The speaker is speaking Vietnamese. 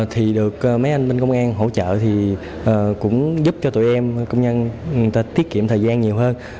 thì được mấy anh bên công an hỗ trợ thì cũng giúp cho tụi em công nhân tiết kiệm thời gian nhiều hơn